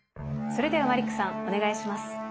それではマリックさんお願いします。